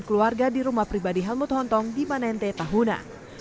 dan keluarga di rumah pribadi helmut hontong di manente tahuna